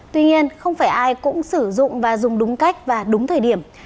tuy nhiên không phải ai cũng sử dụng và dùng đúng cách và đúng thời điểm